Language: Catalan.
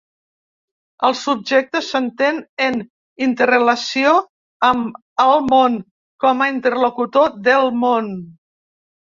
El subjecte s’entén en interrelació amb el món, com a interlocutor del món.